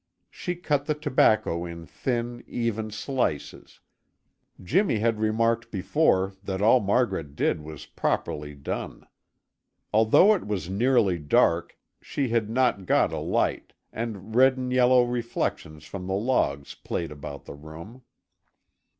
She cut the tobacco in thin, even slices; Jimmy had remarked before that all Margaret did was properly done. Although it was nearly dark, she had not got a light, and red and yellow reflections from the logs played about the room.